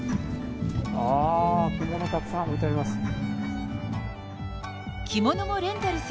ああ、着物たくさん置いてあります。